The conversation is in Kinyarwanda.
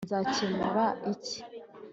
nzakemura iki